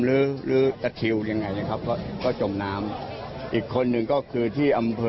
หรือตะทิวยังไงนะครับก็ก็จมน้ำอีกคนหนึ่งก็คือที่อำเภอ